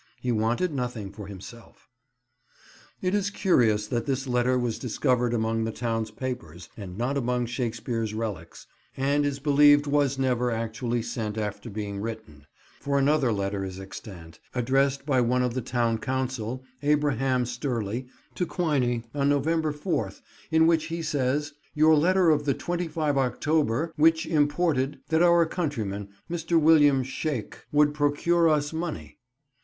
He wanted nothing for himself. It is curious that this letter was discovered among the town's papers, not among any Shakespeare relics, and it is believed was never actually sent after being written; for another letter is extant, addressed by one of the town council, Abraham Sturley, to Quiney, on November 4th, in which he says: "Ur letter of the 25 October ... which imported ... that our countriman Mr. Wm. Shak. would procure us monei.